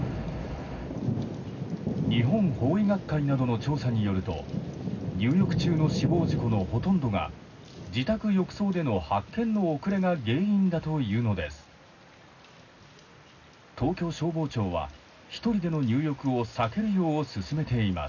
日本法医学会などの調査によると入浴中の死亡事故のほとんどが自宅浴槽での発見の遅れが原因だというのです。